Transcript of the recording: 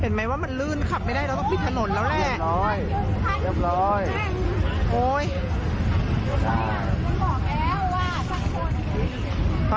เห็นไหมว่ามันลื่นขับไม่ได้แล้วก็ปิดถนนแล้วแหละ